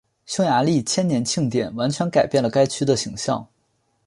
匈牙利千年庆典完全改变了该区的形象。